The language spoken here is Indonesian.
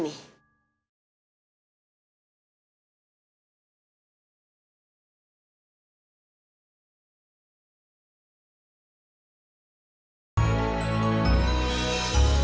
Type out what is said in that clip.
nih jadi si kutu kuprat